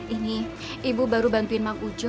ini ibu baru bantuin mak ujo